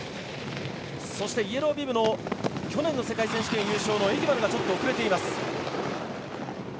そして去年の世界選手権優勝のエギバルがちょっと遅れています。